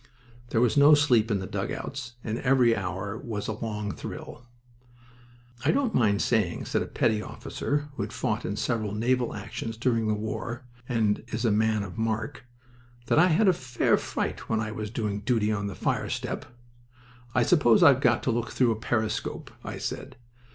There was no sleep in the dugouts, and every hour was a long thrill. "I don't mind saying," said a petty officer who had fought in several naval actions during the war and is a man of mark, "that I had a fair fright when I was doing duty on the fire step. 'I suppose I've got to look through a periscope,' I said.